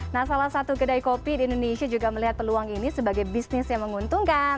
nah salah satu kedai kopi di indonesia juga melihat peluang ini sebagai bisnis yang menguntungkan